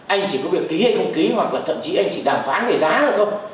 anh chỉ có việc ký hay không ký hoặc là thậm chí anh chỉ đàm phán về giá là thôi